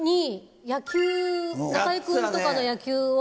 中居君とかの野球を。